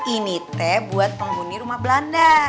ini teh buat penghuni rumah belanda